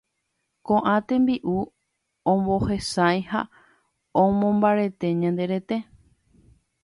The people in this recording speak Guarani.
Koʼã tembiʼu omohesãi ha omombarete ñande rete.